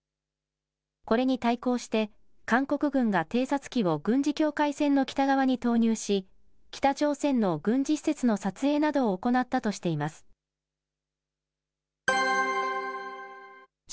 これに対抗して、韓国軍が偵察機を軍事境界線の北側に投入し、北朝鮮の軍事施設の撮影などを行ったとしています。